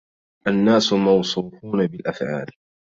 الناس موصوفون بالأفعال